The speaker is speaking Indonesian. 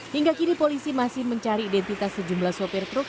hingga kini polisi masih mencari identitas sejumlah sopir truk